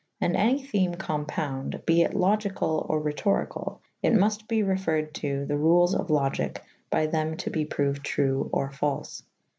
And any theme compounde be it Logycall or Rhetor ycall / it multe be referryd to the rules of Logike by thew to be prouyd true or falfe.